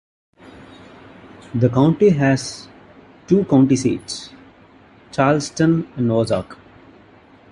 The county has two county seats, Charleston and Ozark.